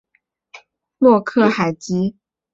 洛克海吉。